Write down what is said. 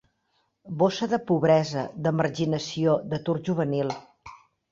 Bossa de pobresa, de marginació, d'atur juvenil.